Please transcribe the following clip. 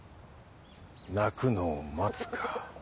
「鳴くのを待つ」か。